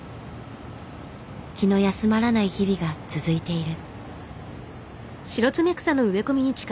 気の休まらない日々が続いている。